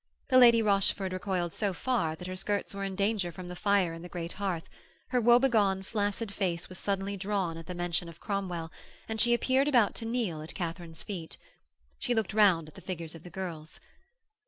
The Lady Rochford recoiled so far that her skirts were in danger from the fire in the great hearth; her woebegone, flaccid face was suddenly drawn at the mention of Cromwell, and she appeared about to kneel at Katharine's feet. She looked round at the figures of the girls.